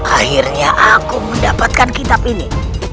akhirnya aku mendapatkan kitab ini